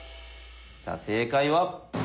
じゃあ正解は。